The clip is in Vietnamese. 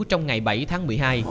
trong ngày bảy tháng một mươi hai